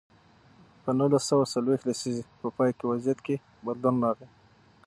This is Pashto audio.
په نولس سوه څلویښت لسیزې په پای کې وضعیت کې بدلون راغی.